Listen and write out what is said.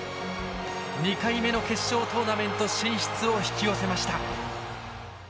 ２回目の決勝トーナメント進出を引き寄せました。